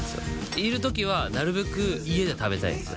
いれるときはなるべく家で食べたいんですよ